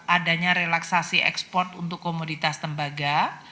adanya relaksasi ekspor untuk komoditas tembaga